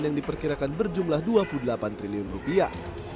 yang diperkirakan berjumlah dua puluh delapan triliun rupiah